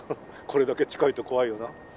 これだけ近いと怖いよな。